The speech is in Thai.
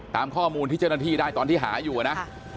ตามข้อมูลที่เจ้าหน้าที่ได้ตอนที่หาอยู่นะ